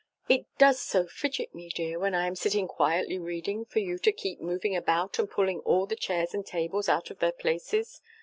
It does so fidget me, dear, when I am sitting quietly reading, for you to keep moving about and pulling all the chairs and tables out of their places!"